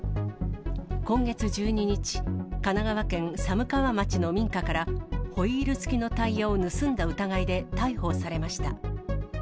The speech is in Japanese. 今月１２日、神奈川県寒川町の民家からホイール付きのタイヤを盗んだ疑いで逮捕されました。